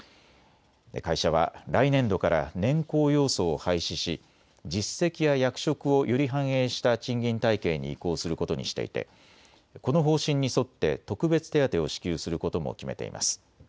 会社は来年度から年功要素を廃止し実績や役職をより反映した賃金体系に移行することにしていてこの方針に沿って特別手当を支給することも決めています。